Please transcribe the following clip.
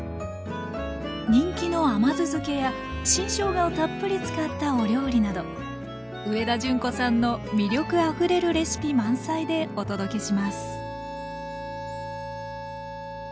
人気の甘酢漬けや新しょうがをたっぷり使ったお料理など上田淳子さんの魅力あふれるレシピ満載でお届けします